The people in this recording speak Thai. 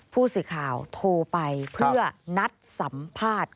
ผู้สื่อข่าวโทรไปเพื่อนัดสัมภาษณ์